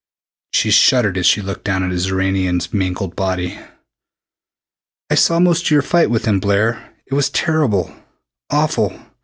She shuddered as she looked down at the Xoranian's mangled body. "I saw most of your fight with him, Blair. It was terrible; awful.